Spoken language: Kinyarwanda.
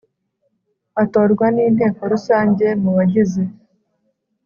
Atorwa n Inteko Rusange mu bagize